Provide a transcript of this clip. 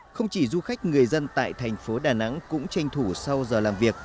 không chỉ du khách người dân tại thành phố đà nẵng cũng tranh thủ sau giờ làm việc